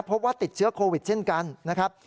พบว่าติดเชื้อโควิดเช่นกันนะครับ